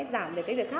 nào sữa ra đây nào